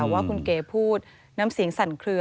ว่าคุณเก๋พูดน้ำเสียงสั่นเคลือ